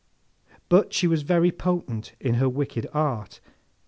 But, she was very potent in her wicked art.